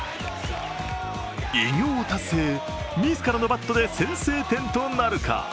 偉業達成へ、自らのバットで先制点となるか。